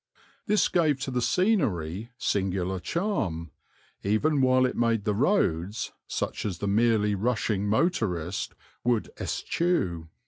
This gave to the scenery singular charm, even while it made the roads such as the merely rushing motorist would eschew.